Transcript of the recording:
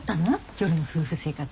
夜の夫婦生活。